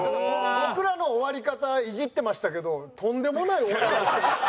僕らの終わり方イジってましたけどとんでもない終わり方してますよ。